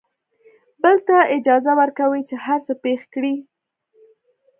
بل ته اجازه ورکوي چې هر څه پېښ کړي.